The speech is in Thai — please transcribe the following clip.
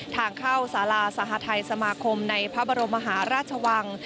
ทางเข้าสาราสหทัยสมาคมในพระบรมมหาราชวัง